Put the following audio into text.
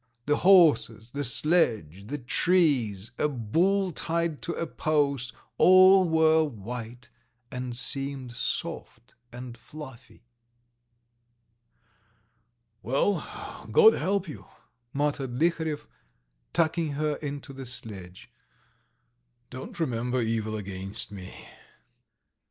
The horses, the sledge, the trees, a bull tied to a post, all were white and seemed soft and fluffy. "Well, God help you," muttered Liharev, tucking her into the sledge. "Don't remember evil against me